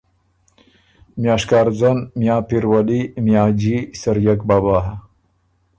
میاں شکارځن، میاں پیرولي، میاں جي، سریَک بابا،